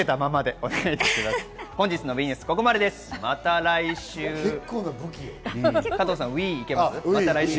また来週。